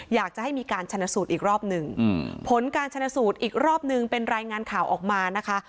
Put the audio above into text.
อยากจะให้มีการชนะสูตรอีกรอบหนึ่งผลการชนสูตรอีกรอบนึงเป็นรายงานข่าวออกมานะคะ